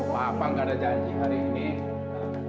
papa nggak ada janji hari ini